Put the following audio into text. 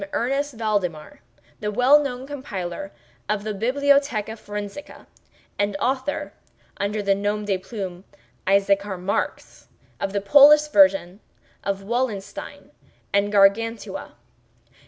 Ernest Valdemar, the well known compiler of the "Bibliotheca Forensica," and author (under the nom de plume of Issachar Marx) of the Polish versions of "Wallenstein" and "Gargantua."